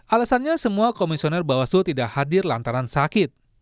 alasannya semua komisioner bawaslu tidak hadir lantaran sakit